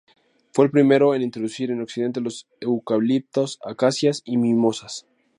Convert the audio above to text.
Fue el primero en introducir en Occidente los eucaliptos, acacias y mimosas.